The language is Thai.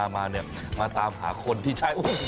มาเนี่ยมาตามหาคนที่ใช่